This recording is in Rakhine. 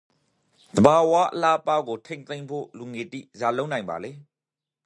သဘာဝအလှအပကိုထိန်းသိမ်းဖို့လူငယ်တိ ဇာလုပ်နိုင်ပါလေ?